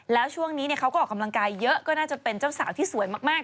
แล้วช่วงนี้เขาก็ออกกำลังกายเยอะก็น่าจะเป็นเจ้าสาวที่สวยมาก